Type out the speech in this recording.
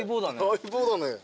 相棒だね。